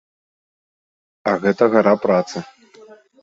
А гэта гара працы.